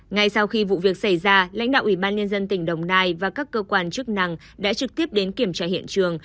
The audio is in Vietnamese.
ngay sau khi vụ việc xảy ra lãnh đạo ủy ban nhân dân tỉnh đồng nai và các cơ quan chức năng đã trực tiếp đến kiểm tra hiện trường